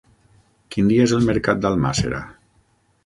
Quin dia és el mercat d'Almàssera?